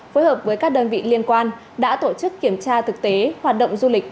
phối hợp với các đơn vị liên quan đã tổ chức kiểm tra thực tế hoạt động du lịch